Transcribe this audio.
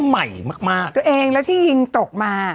ใหม่มากมากตัวเองแล้วที่ยิงตกมา